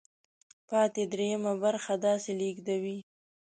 پاتې درېیمه برخه داسې لیږدوي.